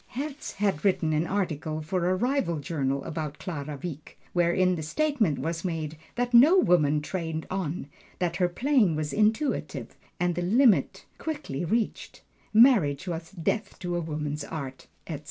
Herz had written an article for a rival journal about Clara Wieck, wherein the statement was made that no woman trained on, that her playing was intuitive, and the limit quickly reached marriage was death to a woman's art, etc.